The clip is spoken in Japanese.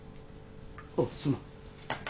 あっすまん。